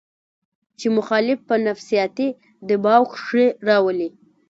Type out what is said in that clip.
چې مخالف پۀ نفسياتي دباو کښې راولي